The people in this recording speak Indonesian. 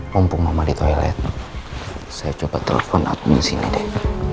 kampung mama di toilet saya coba telepon admin single deh